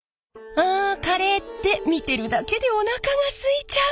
あカレーって見てるだけでおなかがすいちゃう！